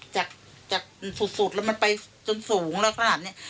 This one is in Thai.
จากสุดแล้วมันไปจนสูงแล้วขนาดนี้